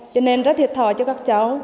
cho nên rất thiệt thòi cho các cháu